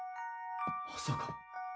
まさか。